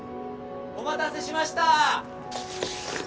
お待たせしました！